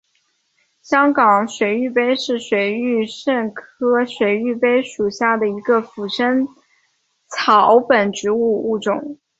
香港水玉杯是水玉簪科水玉杯属下的一个腐生草本植物物种。